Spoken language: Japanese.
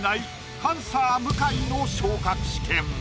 パンサー向井の昇格試験。